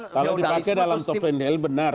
kalau dipakai dalam tauvinel benar